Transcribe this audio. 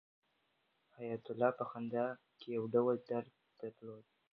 حیات الله په خندا کې یو ډول درد درلود.